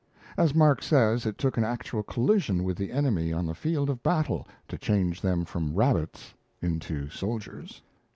As Mark says, it took an actual collision with the enemy on the field of battle to change them from rabbits into soldiers.